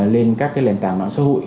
lên các cái lền tảng nọ xã hội